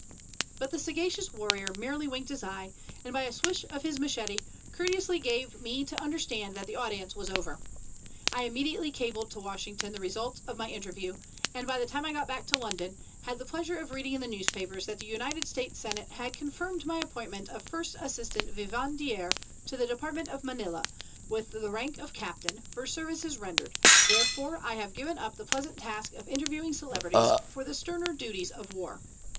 But the sagacious warrior merely winked his eye, and by a swish of his machete courteously gave me to understand that the audience was over. I immediately cabled to Washington the results of my interview, and, by the time I got back to London, had the pleasure of reading in the newspapers that the United States Senate had confirmed my appointment of First Assistant Vivandière to the Department of Manila, with the rank of captain, for services rendered, wherefore I have given up the pleasant task of interviewing celebrities for the sterner duties of war.